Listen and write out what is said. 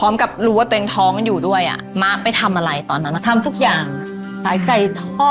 มะสืบจนรู้ความจริงได้ยังไง